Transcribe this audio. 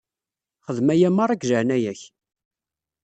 Xdem aya merra deg leɛnaya-k.